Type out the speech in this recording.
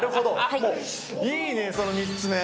いいね、その３つ目。